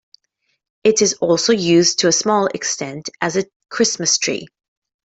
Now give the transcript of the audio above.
It is also used to a small extent as a Christmas tree.